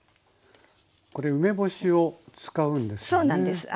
これ梅干しを使うんですよね？